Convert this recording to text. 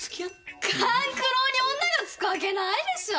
勘九郎に女が付くわけないでしょ。